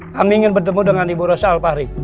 kami ingin bertemu dengan ibu rosa alfahri